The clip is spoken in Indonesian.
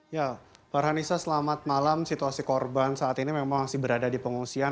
ya farhanisa selamat malam situasi korban saat ini memang masih berada di pengungsian